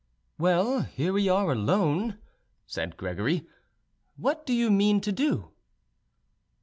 "Well, here we are alone," said Gregory. "What do you mean to do?"